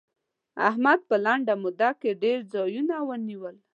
احمد په لنډه موده کې ډېر ځايونه ونيول.